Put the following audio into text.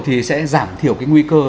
thì sẽ giảm thiểu nguy cơ